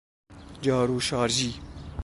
جارو شارژی